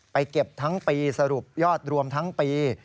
เก็บทั้งปีสรุปยอดรวมทั้งปี